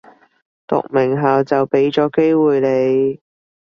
讀名校就畀咗機會你